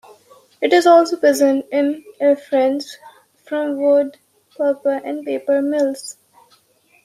It is also present in effluents from wood pulp and paper mills.